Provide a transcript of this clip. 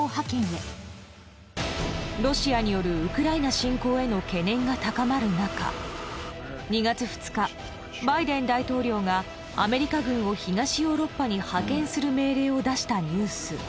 寄せられましたへの懸念が高まる中２月２日バイデン大統領がアメリカ軍を東ヨーロッパに派遣する命令を出したニュース